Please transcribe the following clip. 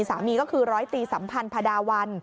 สามีก็คือร้อยตีสัมพันธ์พระดาวัน